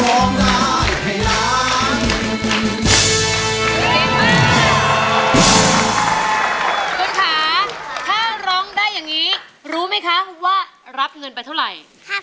คุณค่ะถ้าร้องได้อย่างนี้รู้ไหมคะว่ารับเงินไปเท่าไหร่